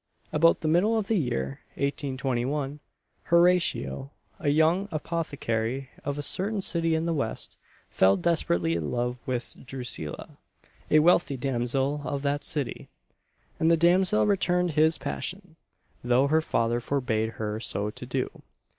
About the middle of the year 1821, Horatio, a young apothecary, of a certain city in the West, fell desperately in love with Drusilla, a wealthy damsel of that city; and the damsel returned his passion, though her father forbade her so to do.